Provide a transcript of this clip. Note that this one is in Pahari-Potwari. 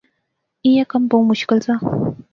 ایہہ کم بہوں مشکل زا